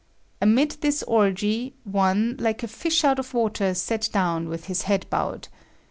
Amid this orgy, one, like a fish out of water, sat down with his head bowed.